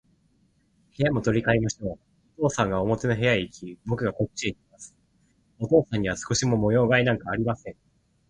部屋も取り変えましょう。お父さんが表の部屋へいき、ぼくがこっちへきます。お父さんには少しも模様変えなんかありません。